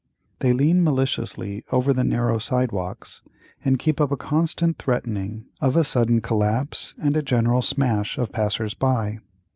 They lean maliciously over the narrow sidewalks, and keep up a constant threatening of a sudden collapse and a general smash of passers by.